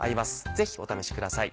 ぜひお試しください。